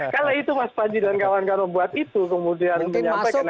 kalau itu mas panji dan kawan kawan buat itu kemudian menyampaikan